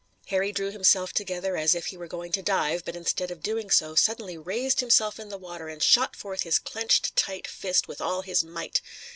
Harry drew himself together as if he were going to dive, but instead of doing so suddenly raised himself in the water and shot forth his clenched tight fist with all his might.